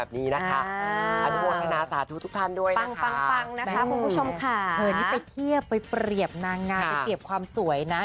เธอนี่ไปเทียบไปเปรียบนางงานไปเปรียบความสวยนะ